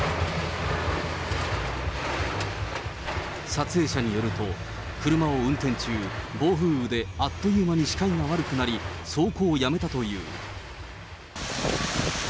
撮影者によると、車を運転中、暴風雨であっという間に視界が悪くなり、走行をやめたという。